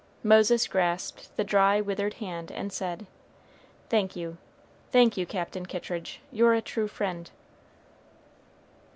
Moses grasped the dry, withered hand and said, "Thank you, thank you, Captain Kittridge; you're a true friend."